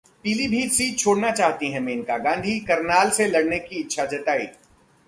Pilibhit seat छोड़ना चाहती हैं मेनका गांधी, करनाल से लड़ने की इच्छा जताई